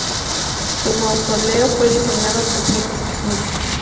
Su mausoleo fue diseñado por James Smith.